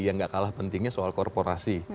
yang gak kalah pentingnya soal korporasi